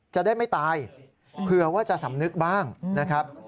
จะได้ไม่ตายเผื่อว่าจะสำนึกบ้างนะครับ